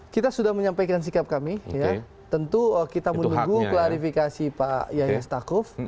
kita sudah menyampaikan sikap kami tentu kita menunggu klarifikasi pak yahya stakuf